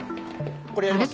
これやります？